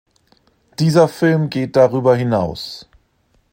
Dieser Film geht darüber hinaus.